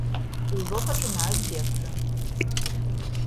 І ўжо пачынаюць бегчы.